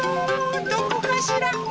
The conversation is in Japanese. どこかしら？